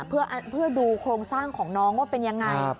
เพื่อดูโครงสร้างของน้องว่าเป็นยังไง